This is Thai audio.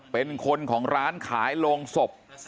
เป็นคนของร้านขายโรงศพ